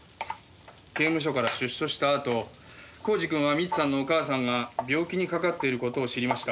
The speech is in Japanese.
刑務所から出所したあと耕治君は未知さんのお母さんが病気にかかっている事を知りました。